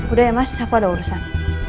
udah ya mas aku ada urusan